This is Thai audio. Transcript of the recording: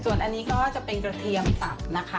ส่วนอันนี้เป็นกระเทียบตับ